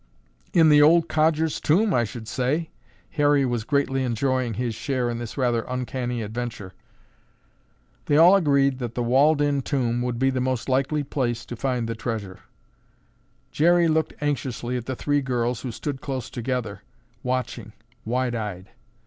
"In the old codger's tomb, I should say." Harry was greatly enjoying his share in this rather uncanny adventure. They all agreed that the walled in tomb would be the most likely place to find the treasure. Jerry looked anxiously at the three girls who stood close together watching, wide eyed.